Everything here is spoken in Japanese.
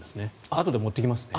あとで持ってきますね。